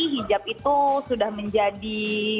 hijab itu sudah menjadi